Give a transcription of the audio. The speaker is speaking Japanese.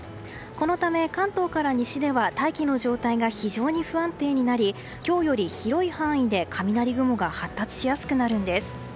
このため、関東から西では大気の状態が非常に不安定になり今日より広い範囲で雷雲が発達しやすくなるんです。